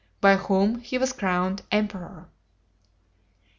by whom he was crowned emperor.